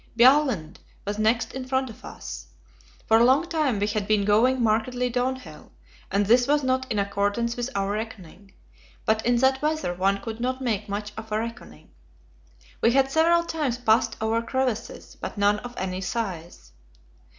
Bjaaland was next in front of us. For a long time we had been going markedly downhill, and this was not in accordance with our reckoning; but in that weather one could not make much of a reckoning. We had several times passed over crevasses, but none of any size.